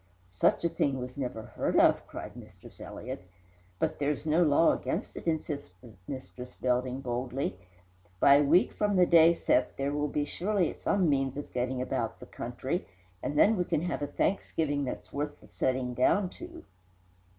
"Such a thing was never heard of!" cried Mistress Elliott. "But there's no law against it," insisted Mistress Belding boldly. "By a week from the set day there will surely be some means of getting about the country, and then we can have a Thanksgiving that's worth the setting down to."